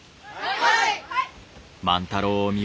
はい！